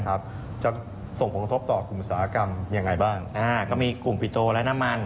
ก็มีกลุ่มฟิโตและน้ำมาย